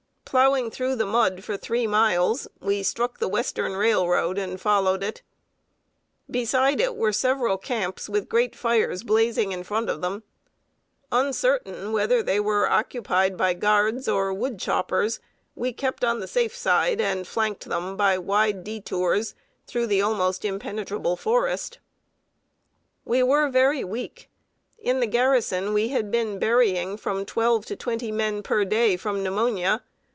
Plowing through the mud for three miles, we struck the Western Railroad, and followed it. Beside it were several camps with great fires blazing in front of them. Uncertain whether they were occupied by guards or wood choppers, we kept on the safe side, and flanked them by wide détours through the almost impenetrable forest. [Sidenote: TOO WEAK FOR TRAVELING.] We were very weak. In the garrison we had been burying from twelve to twenty men per day, from pneumonia.